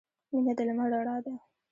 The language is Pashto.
• مینه د لمر رڼا ده.